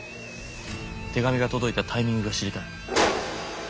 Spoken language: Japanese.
手紙が届いたタイミングが知りたい。